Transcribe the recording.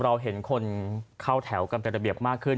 เราเห็นคนเข้าแถวกันเป็นระเบียบมากขึ้น